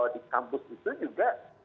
di kampus itu juga